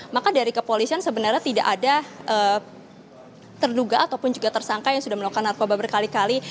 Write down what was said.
maka dari kepolisian sebenarnya tidak ada terduga ataupun juga tersangka yang sudah melakukan narkoba berkali kali